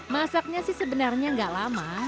masaknya sih sebenarnya nggak lama